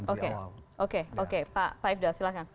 oke oke pak ifdal silahkan